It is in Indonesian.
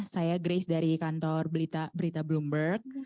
saya grace dari kantor berita bloomberg